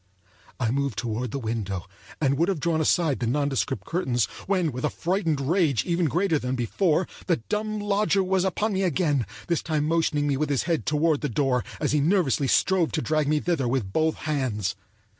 I moved toward the window and would have drawn aside the nondescript curtains, when with a frightened rage even greater than before, the dumb lodger was upon me again; this time motioning with his head toward the door as he nervously strove to drag me thither with both hands.